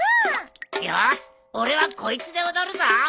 よし俺はこいつで踊るぞ！